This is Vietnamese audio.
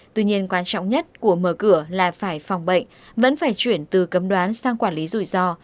tuy nhiên quan trọng nhất của mở cửa là phải phòng bệnh vẫn phải chuyển từ cấm đoán sang quản lý rủi ro